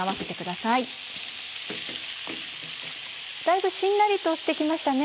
だいぶしんなりとして来ましたね。